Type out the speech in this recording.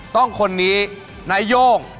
ต้องคนนี้นายโย่ง